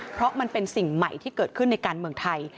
เพราะมันเป็นสิ่งใหม่ที่เกิดขึ้นในการเมืองไทย